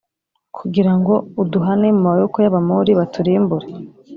kugira ngo uduhane mu maboko y Abamori baturimbure